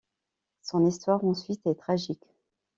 Son histoire ensuite est tragique.